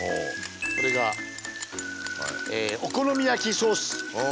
これがお好み焼きソース。